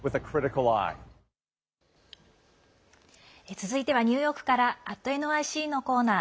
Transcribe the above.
続いてはニューヨークから「＠ｎｙｃ」のコーナー。